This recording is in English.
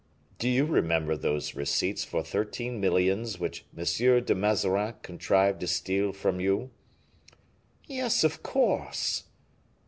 "Do you remember those receipts for thirteen millions which M. de Mazarin contrived to steal from you?" "Yes, of course!"